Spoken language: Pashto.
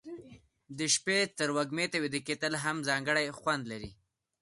د شپې تروږمي ته ویده کېدل هم ځانګړی خوند لري.